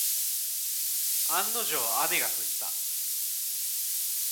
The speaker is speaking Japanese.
案の定、雨が降った。